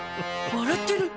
笑ってる？